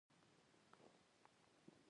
تاسو لوستل خوښوئ؟